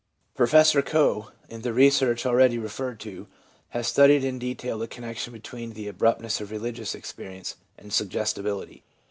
Professor Coe, in the research already referred to, has studied in detail the connection between the abrupt ness of religious experience and suggestibility.